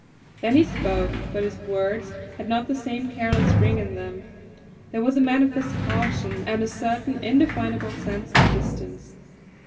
Then he spoke, but his words had not the same careless ring in them. There was a manifest caution and a certain indefinable sense of distance.